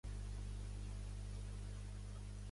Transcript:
El rècord d'ascens femení el té l'Anne-Marie Flammersfeld.